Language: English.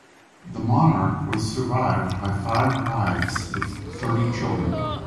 The monarch was survived by five wives with thirty children.